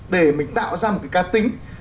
để mình tạo ra một cái ca tính